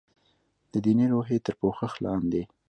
د دیني روحیې تر پوښښ لاندې.